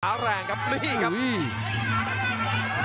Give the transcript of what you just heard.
เอาแรงครับลี่ครับ